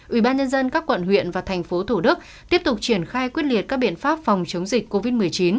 ubnd các quận huyện và thành phố thủ đức tiếp tục triển khai quyết liệt các biện pháp phòng chống dịch covid một mươi chín